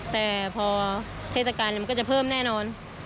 แต่พอเทศกาลมันก็จะเพิ่มแน่นอน